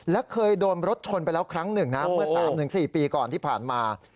และเคยโดนรถชนไปแล้วครั้งหนึ่งนะเมื่อ๓๔ปีก่อนที่ผ่านมา